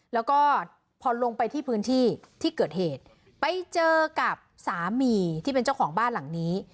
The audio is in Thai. แล้วก็พอลงไปที่พื้นที่ที่เกิดเหตุไปเจอกับสามีที่เป็นเจ้าของบ้านหลังนี้